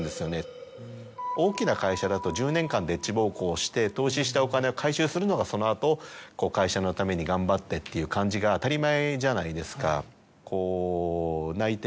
大きな会社だと１０年間でっち奉公して投資したお金を回収するのがその後会社のために頑張ってっていう感じが当たり前じゃないですか。